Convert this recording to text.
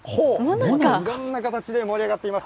いろんな形で盛り上がっています。